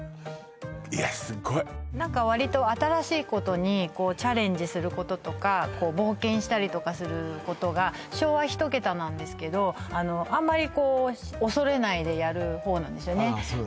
すっごい何かわりと新しいことにチャレンジすることとか冒険したりとかすることが昭和一桁なんですけどあんまりこう恐れないでやる方なんです